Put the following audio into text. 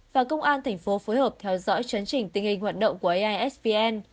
và công an thành phố phối hợp theo dõi chấn trình tình hình hoạt động của aisvn